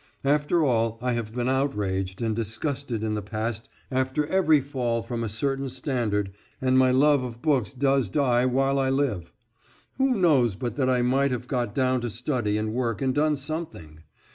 After all I have been outraged and disgusted in the past after every fall from a certain standard and my love of books does die while I live. Who knows but that I might have got down to study and work and done something?